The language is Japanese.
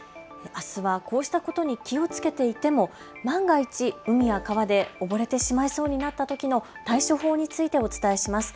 あすはこうしたことに気をつけていても万が一、海や川で溺れそうになったときの対処法についてお伝えします。